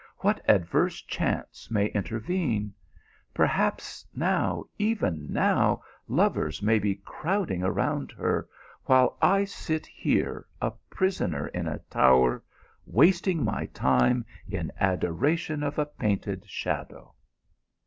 What adverse chances may intervene ? Perhaps now, even now, lovers may be crowding around her, while I sit here, a prisoner in a tower, wasting my time in adoration of a painted shadow."